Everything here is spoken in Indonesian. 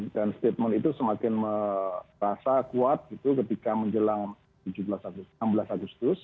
dan statement itu semakin merasa kuat gitu ketika menjelang enam belas agustus